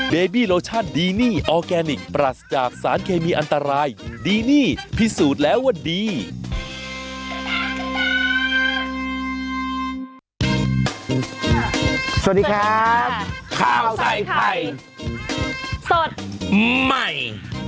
สวัสดีครับข้าวใส่ไข่สดใหม่